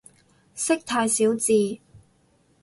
識太少字